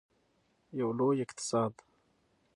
یو لوی اقتصاد.